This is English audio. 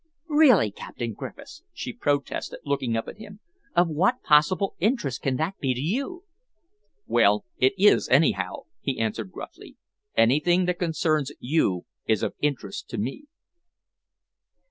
"Really, Captain Griffiths," she protested, looking up at him, "of what possible interest can that be to you?" "Well, it is, anyhow," he answered gruffly. "Anything that concerns you is of interest to me."